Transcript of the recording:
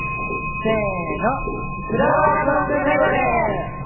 せーの、フラワーソングメドレー。